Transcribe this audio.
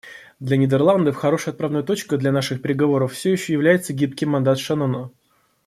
Для Нидерландов хорошей отправной точкой для наших переговоров все еще является гибкий мандат Шеннона.